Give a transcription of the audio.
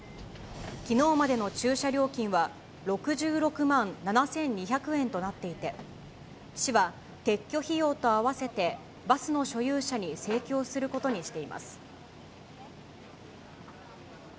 きのうまでの駐車料金は６６万７２００円となっていて、市は撤去費用と合わせて、バスの所有者に請求することにしています。